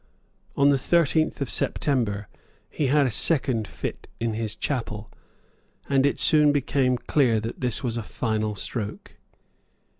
On the thirteenth of September, he had a second fit in his chapel; and it soon became clear that this was a final stroke.